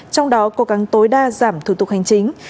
trong đó cố gắng tối đa giảm thủ tục hành chính